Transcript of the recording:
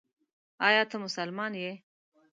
ایا ته مسلمان یې ؟